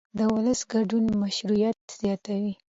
د ولس ګډون مشروعیت زیاتوي